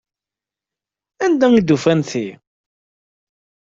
Anda ay d-ufan ti?